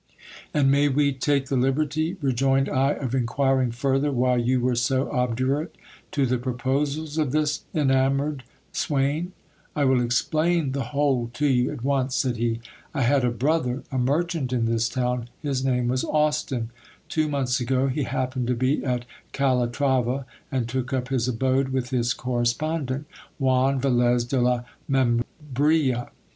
And may we take the liberty, rejoined I, of inquiring further, why you were so obdurate to the proposals of this en amoured swain ? I will explain the whole to you at once, said he. I had a brother, a merchant in this town ; his name was Austin. Two months ago he happened to be at Calatrava, and took up his abode with his correspondent, Juan Vclez de la Membrilla.